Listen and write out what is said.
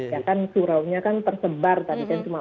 karena ya kan surau nya kan tersebar tadi kan cuma empat